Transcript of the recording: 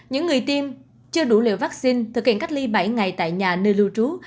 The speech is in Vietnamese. những người tiêm chưa đủ liều vaccine thực hiện cách ly bảy ngày tại nhà nơi lưu trú